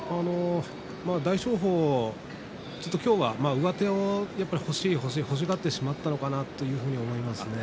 大翔鵬、今日は上手を欲しがってしまったのかなと思いますね。